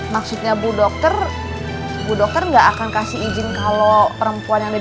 maksudnya bu dokter bu dokter nggak akan kasih izin kalau perempuan yang lebih sendiri tkw bukan